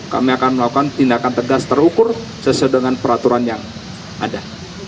kami akan melakukan tindakan tegas terukur sesuai dengan peraturan yang ada